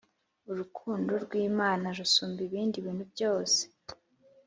Urukundo rwImana rusumba ibindi bintu byose